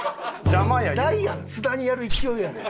ダイアン津田にやる勢いやねん。